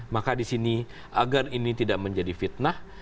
maka disini agar ini tidak menjadi fitnah